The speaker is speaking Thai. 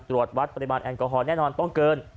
ตรวจวัดปริมาณแอลกอฮอลแน่นอนต้องเกิน